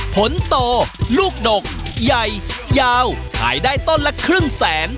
ผลโตลูกดกใหญ่ยาวขายได้ต้นละครึ่งแสน